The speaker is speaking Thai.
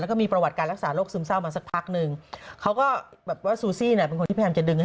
แล้วก็มีประวัติการรักษาโรคซึมเศร้ามาสักพักนึง